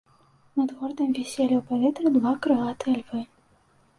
Над горадам віселі ў паветры два крылатыя львы.